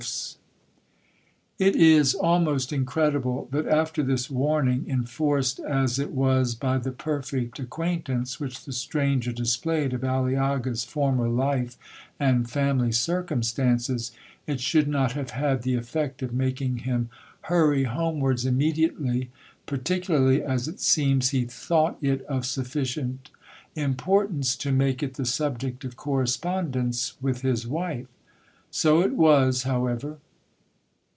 1 Ireland,—forsan. 'It is almost incredible, that after this warning, enforced as it was by the perfect acquaintance which the stranger displayed of Aliaga's former life and family circumstances, it should not have had the effect of making him hurry homewards immediately, particularly as it seems he thought it of sufficient importance to make it the subject of correspondence with his wife. So it was however.